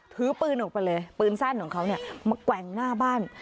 ถือปืนออกไปเลยปืนสั้นของเขาเนี่ยมาแกว่งหน้าบ้าน